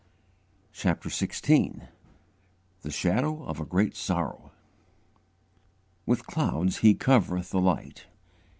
CHAPTER XVI THE SHADOW OF A GREAT SORROW "WITH clouds He covereth the light."